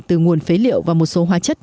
từ nguồn phế liệu và một số hóa chất